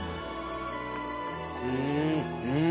うんうん！